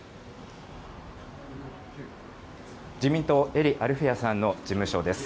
自民党英利アルフィヤさんの事務所です。